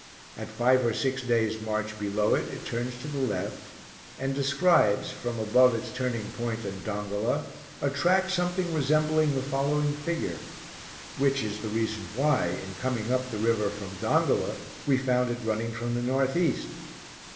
At five or six days march below it, it turns to the left, and describes, from above its turning point and Dongola, a track something resembling the following figure which is the reason why, in coming up the river from Dongola, we found it running from the north east.